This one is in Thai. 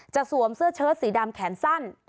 สวมเสื้อเชิดสีดำแขนสั้น